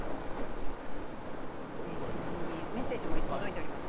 ちなみにメッセージ届いています。